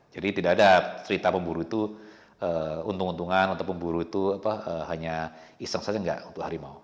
jadi tidak ada cerita pemburu itu untung untungan untuk pemburu itu hanya iseng saja enggak untuk harimau